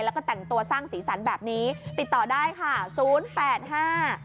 แล้วก็แต่งตัวสร้างสีสันแบบนี้ติดต่อได้ค่ะ๐๘๕๙๐๒๑๐๓๗นะคะ